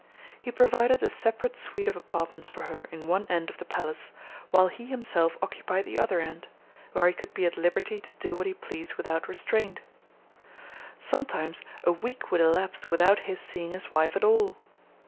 He provided a separate suite of apartments for her in one end of the palace, while he himself occupied the other end, where he could be at liberty to do what he pleased without restraint. Sometimes a week would elapse without his seeing his wife at all.